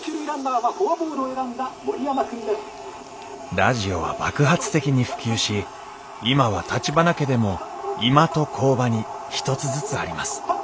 ラジオは爆発的に普及し今は橘家でも居間と工場に一つずつあります